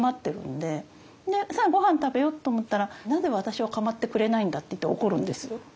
でさあごはん食べようと思ったらなぜ私を構ってくれないんだっていって怒るんですよ。